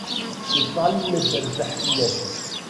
Iḍall-d rrbeḥ fell-ak.